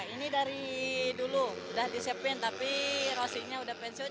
ini dari dulu sudah disiapkan tapi rosi sudah pensiun